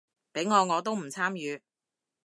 畀我我都唔參與